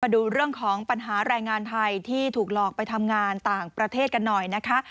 ดูเรื่องของปัญหาแรงงานไทยที่ถูกหลอกไปทำงานต่างประเทศกันหน่อยนะคะ